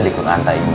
di kulanta ini